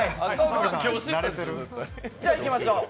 じゃあ、行きましょう。